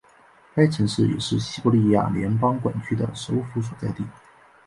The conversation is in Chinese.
该城市也是西伯利亚联邦管区的首府所在地。